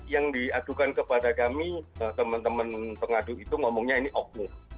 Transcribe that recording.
yang diadukan kepada kami teman teman pengadu itu ngomongnya ini oknum